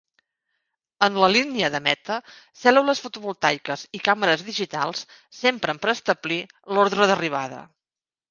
En la línia de meta, cèl·lules fotovoltaiques i càmeres digitals s'empren per establir l'ordre d'arribada.